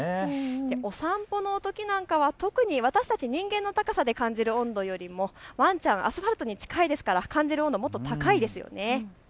お散歩のときなんかは特に私たち人間の高さで感じる温度よりもワンちゃんはアスファルトに近いですから感じる温度も高いですよね。